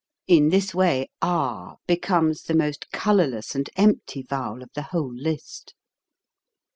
In this way ah be comes the most colorless and empty vowel of the whole list.